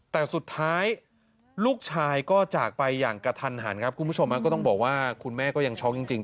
แต่สุดท้ายลูกชายก็จากไปอย่างกระทันหันครับคุณผู้ชมก็ต้องบอกว่าคุณแม่ก็ยังช็อกจริง